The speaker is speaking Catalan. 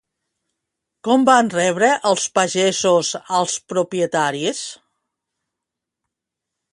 Com van rebre els pagesos als propietaris?